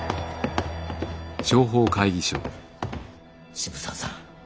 渋沢さん！